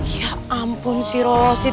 ya ampun si rosit